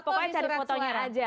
pokoknya cari fotonya aja